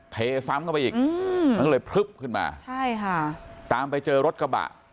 เทซ้ำเข้าไปอีกมันก็เลยพลึบขึ้นมาใช่ค่ะตามไปเจอรถกระบะ